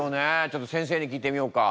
ちょっと先生に聞いてみようか。